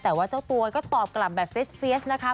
แต่ว่าเจ้าตัวก็ตอบกลับแบบเฟียสนะคะ